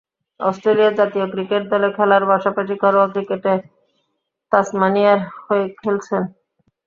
Australia জাতীয় cricket দলে খেলার পাশাপাশি ঘরোয়া ক্রিকেটে তাসমানিয়ার হয়ে খেলছেন।